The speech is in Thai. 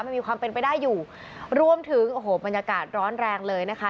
มันมีความเป็นไปได้อยู่รวมถึงโอ้โหบรรยากาศร้อนแรงเลยนะคะ